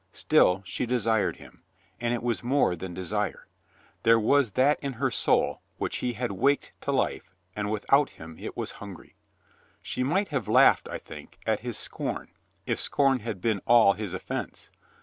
Still she desired him, and it was more than desire. There was that in her soul which he had waked to life and without him it was hungry. She might have laughed, I think, at his scorn, if scorn had been all his offense.